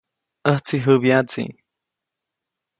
ʼÄjtsi jäbyaʼtsi.